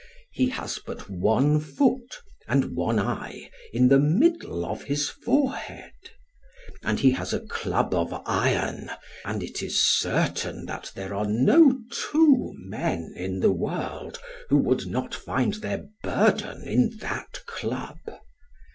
He has but one foot, and one eye, in the middle of his forehead. And he has a club of iron, and it is certain that there are no two men in the world, who would not find their burden in that club.